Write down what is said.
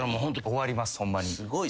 終わりますホンマに。